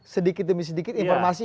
sedikit demi sedikit informasi